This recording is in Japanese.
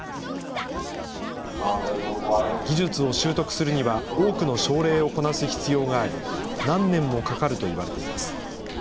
技術を習得するには多くの症例をこなす必要があり、何年もかかるといわれています。